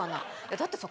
だってさ